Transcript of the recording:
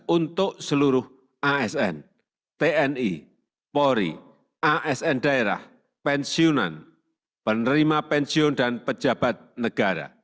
untuk seluruh asn tni polri asn daerah pensiunan penerima pensiun dan pejabat negara